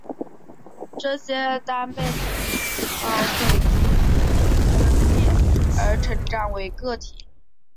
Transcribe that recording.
这些单倍体细胞会进行有丝分裂而成长为个体。